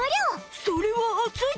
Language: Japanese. それは熱い！